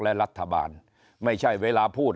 และรัฐบาลไม่ใช่เวลาพูด